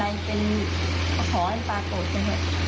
แล้วปกตินี่คือสามะเนนเคยไปที่กุฏิเมืองที่บ้านไหม